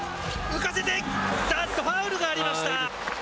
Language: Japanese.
浮かせて、ファウルがありました。